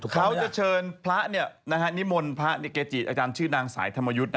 เขาจะเชิญพระนิมนต์พระนิเกจิอาจารย์ชื่อนางสายธรรมยุทธ์